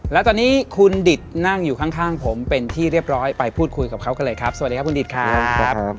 และตอนนี้คุณดิตนั่งอยู่ข้างผมเป็นที่เรียบร้อยไปพูดคุยกับเขากันเลยครับสวัสดีครับคุณดิตครับ